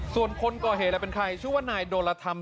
ส่วนคนก่อเหนและเป็นใครชื่อว่านายโดรทัพ